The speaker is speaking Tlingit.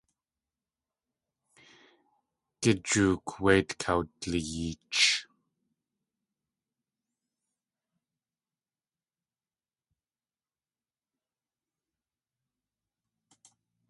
Gijook wéit kawdliyeech.